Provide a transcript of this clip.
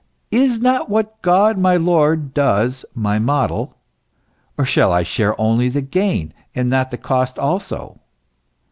Is not what God my Lord does, my model ? Or shall I share only the gain, and not the cost also